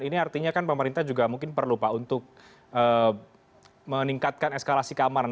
ini artinya kan pemerintah juga mungkin perlu pak untuk meningkatkan eskalasi keamanan